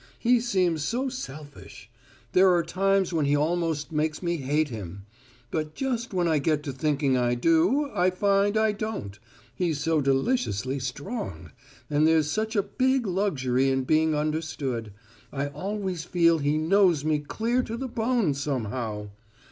He seems so selfish: there are times when he almost makes me hate him; but just when I get to thinking I do, I find I don't he's so deliciously strong, and there's such a big luxury in being understood: I always feel he knows me clear to the bone, somehow!